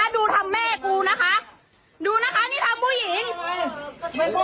ดูแม่กูนะคะดูแม่กูนะคะบอกว่า